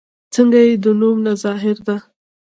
څنګه چې د نوم نه ظاهره ده